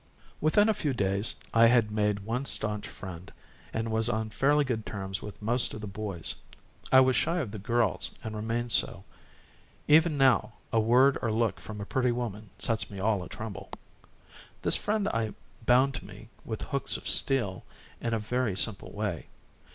Within a few days I had made one staunch friend and was on fairly good terms with most of the boys. I was shy of the girls, and remained so; even now a word or look from a pretty woman sets me all a tremble. This friend I bound to me with hooks of steel in a very simple way.